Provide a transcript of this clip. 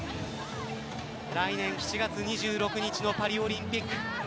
来年７月２６日のパリオリンピック